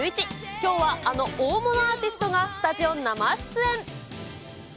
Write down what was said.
きょうはあの大物アーティストがスタジオ生出演。